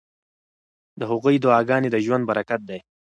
د هغوی دعاګانې د ژوند برکت دی.